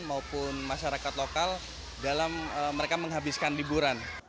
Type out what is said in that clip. maupun masyarakat lokal dalam mereka menghabiskan liburan